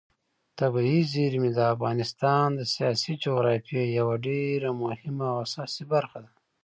طبیعي زیرمې د افغانستان د سیاسي جغرافیې یوه ډېره مهمه او اساسي برخه ده.